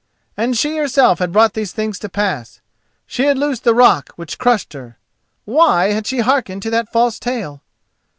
And she herself had brought these things to pass—she had loosed the rock which crushed her! Why had she hearkened to that false tale?